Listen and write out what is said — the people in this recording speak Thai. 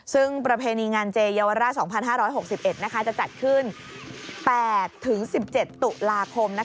ซึ่งประเพณีงานเจเยาวราช๒๕๖๑จะจัดขึ้น๘๑๗ตุลาคม